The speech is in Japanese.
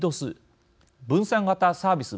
分散型サービス